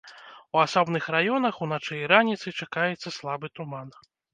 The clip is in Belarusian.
У асобных раёнах уначы і раніцай чакаецца слабы туман.